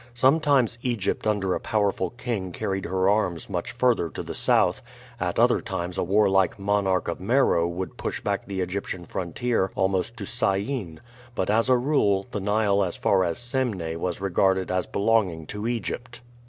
Sometimes Egypt under a powerful king carried her arms much further to the south, at other times a warlike monarch of Meroe would push back the Egyptian frontier almost to Syene; but as a rule the Nile as far south as Semneh was regarded as belonging to Egypt.